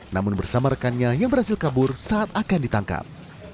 namun bersama rekannya yang berhasil kabur saat akan ditangkap